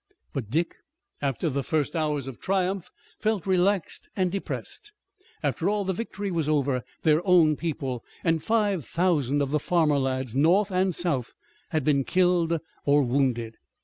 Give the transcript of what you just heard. But Dick, after the first hours of triumph, felt relaxed and depressed. After all, the victory was over their own people, and five thousand of the farmer lads, North and South, had been killed or wounded.